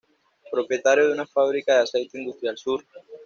Propietario de una fábrica de Aceite Industrial Sur.